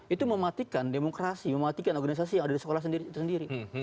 itu mematikan demokrasi mematikan organisasi yang ada di sekolah itu sendiri